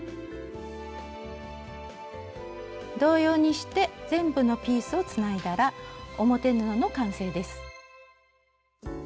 同様にして全部のピースをつないだら表布の完成です。